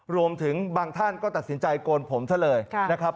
รวมถึงบางท่านก็ตัดสินใจโกนผมซะเลยนะครับ